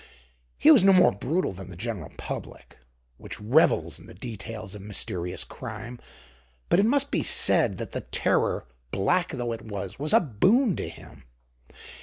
He was no more brutal than the general public, which revels in the details of mysterious crime; but it must be said that the terror, black though it was, was a boon to him.